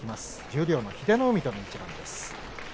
十両の英乃海との一番です。